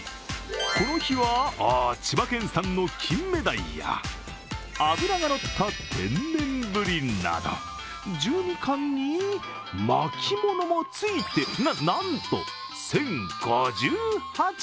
この日は、千葉県産の金目鯛や脂がのった天然ぶりなど、１２貫に巻物もついてな、な、なんと１０５８円。